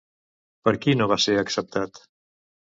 Per qui no va ser acceptat?